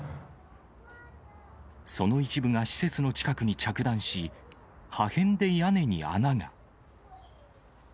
その一部が施設の近くに着弾し、破片で屋根に穴が。